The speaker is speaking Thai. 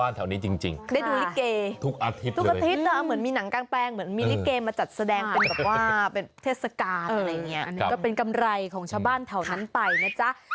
อะไรอย่างนี้ก็เป็นกำไรของชาวบ้านเท่านั้นไปนะจ๊ะ